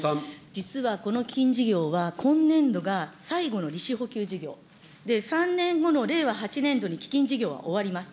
実はこの基金事業は今年度が最後の利子補給事業、で、３年後の令和８年度に基金事業は終わります。